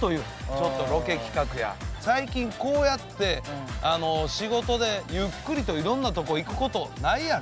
最近こうやって仕事でゆっくりといろんなとこ行くことないやろ？